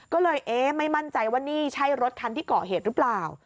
ก็เลยเอ๊ะไม่มั่นใจว่านี่ใช่รถคันที่เกาะเหตุหรือเปล่า